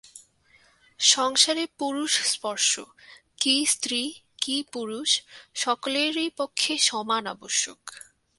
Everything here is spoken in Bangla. সংসারে পুরুষস্পর্শ, কী স্ত্রী, কী পুরুষ, সকলেরই পক্ষে সমান আবশ্যক।